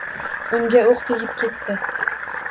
Unga o’q tegib ketdi.